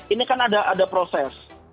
ini kan ada proses